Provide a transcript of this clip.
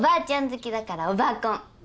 好きだからおばあコン。